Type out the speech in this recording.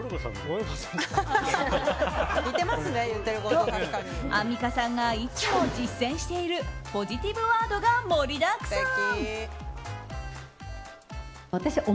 と、アンミカさんがいつも実践しているポジティブワードが盛りだくさん。